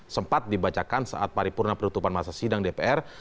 sempat dibacakan saat paripurna penutupan masa sidang dpr